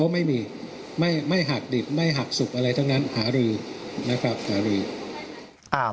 ไม่มีไม่หักดิบไม่หักสุกอะไรทั้งนั้นหารือนะครับหารือ